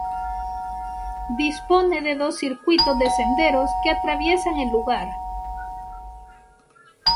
Dispone de dos circuitos de senderos que atraviesan el lugar.